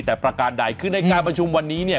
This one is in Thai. แต่ประการใดคือในการประชุมวันนี้เนี่ย